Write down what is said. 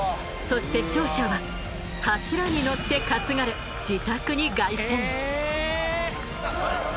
そして勝者は柱に乗って担がれ自宅に凱旋。